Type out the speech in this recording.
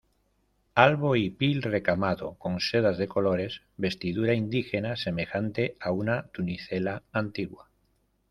albo hipil recamado con sedas de colores, vestidura indígena semejante a una tunicela antigua